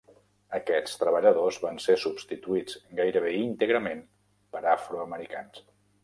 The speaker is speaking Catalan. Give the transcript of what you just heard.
Aquests treballadors van ser substituïts gairebé íntegrament per afroamericans.